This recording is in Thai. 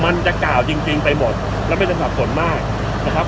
มันจะกล่าวจริงไปหมดและไม่ได้สับสนมากนะครับ